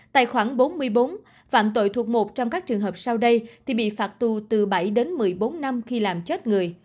tại khoảng bốn mươi bốn phạm tội thuộc một trong các trường hợp sau đây thì bị phạt tù từ bảy đến một mươi bốn năm khi làm chết người